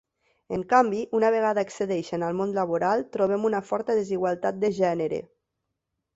En canvi, una vegada accedeixen al món laboral, trobem una forta desigualtat de gènere.